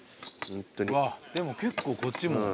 うわっでも結構こっちも。